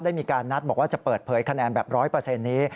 มีการนัดบอกว่าจะเปิดเผยคะแนนแบบ๑๐๐นี้